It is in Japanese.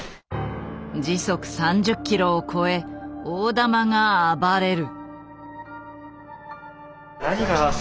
時速３０キロを超え大玉が暴れる。